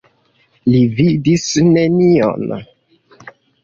Li vidis nenion.